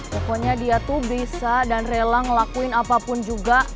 pokoknya dia tuh bisa dan rela ngelakuin apapun juga